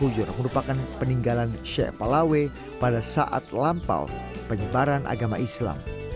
kujur merupakan peninggalan sheikh palawe pada saat lampau penyebaran agama islam